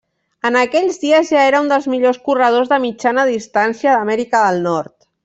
En aquells dies ja era un dels millors corredors de mitjana distància d'Amèrica del Nord.